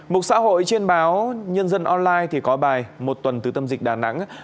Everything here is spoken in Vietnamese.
mục xã hội trên báo nhân dân online thì có bài một tuần từ tâm dịch đà nẵng